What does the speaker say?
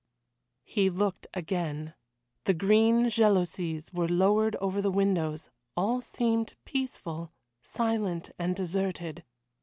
He looked again. The green jalousies were lowered over the windows, all seemed peaceful, silent and deserted.